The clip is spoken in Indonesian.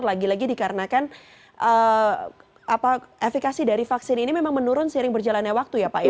lagi lagi dikarenakan efekasi dari vaksin ini memang menurun seiring berjalannya waktu ya pak ya